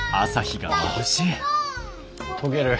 あ溶ける。